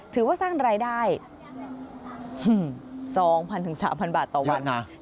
ถือว่าสร้างรายได้สองพันถึงสามพนบาทต่อวันเยอะนา